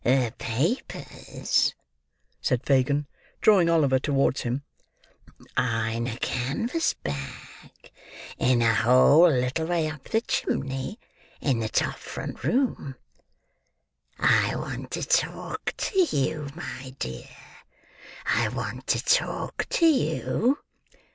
"The papers," said Fagin, drawing Oliver towards him, "are in a canvas bag, in a hole a little way up the chimney in the top front room. I want to talk to you, my dear. I want to talk to you."